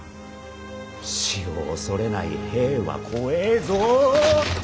死を恐れない兵は怖えぞ。